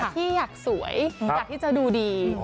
ที่อยากสวยอยากที่จะดูดี